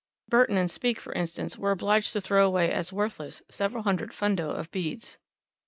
Burton and Speke, for instance, were obliged to throw away as worthless several hundred fundo of beads.